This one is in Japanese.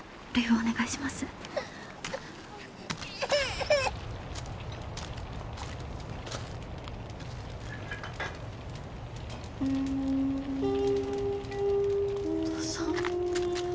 お父さん？